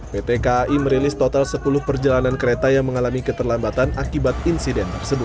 pt kai merilis total sepuluh perjalanan kereta yang mengalami keterlambatan akibat insiden tersebut